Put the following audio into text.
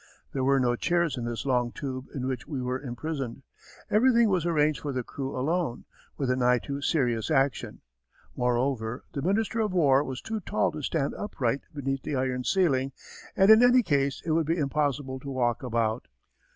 There were no chairs in this long tube in which we were imprisoned. Everything was arranged for the crew alone, with an eye to serious action. Moreover, the Minister of War was too tall to stand upright beneath the iron ceiling, and in any case it would be impossible to walk about.